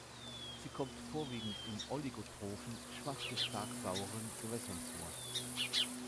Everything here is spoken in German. Sie kommt vorwiegend in oligotrophen, schwach bis stark sauren Gewässern vor.